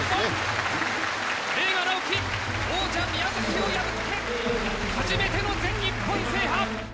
「栄花直輝王者宮崎を破って初めての全日本制覇」！